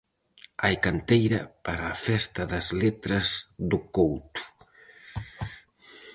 Hai canteira para a Festa das letras do Couto.